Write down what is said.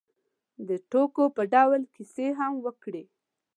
د ټوکو په ډول کیسې هم وکړې.